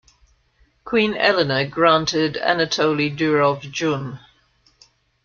Queen Elena granted Anatoly Durov Jun.